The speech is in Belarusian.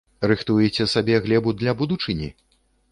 Рыхтуеце сабе глебу для будучыні?